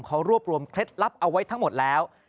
เขารวบรวมเคล็ดลับเอาไว้ทั้งหมดแล้ว